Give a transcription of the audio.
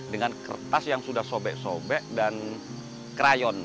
dengan kertas yang sudah sobek sobek dan krayon